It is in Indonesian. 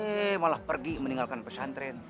eh malah pergi meninggalkan pesantren